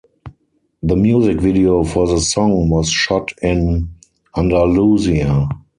The music video for the song was shot in Andalusia.